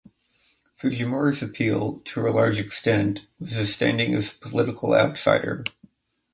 Fujimori's appeal to a large extent was his standing as a political outsider.